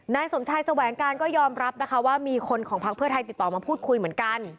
นายสมชายแสวงการก็ยอมรับนะคะว่ามีคนของพักเพื่อไทยติดต่อมาพูดคุยเหมือนกัน